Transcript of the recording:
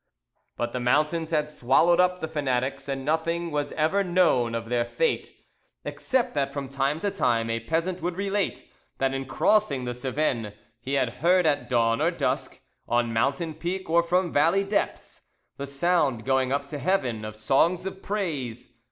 But the mountains had swallowed up the fanatics, and nothing was ever known of their fate, except that from time to time a peasant would relate that in crossing the Cevennes he had heard at dawn or dusk, on mountain peak or from valley depths, the sound going up to heaven of songs of praise.